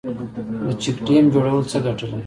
د چک ډیم جوړول څه ګټه لري؟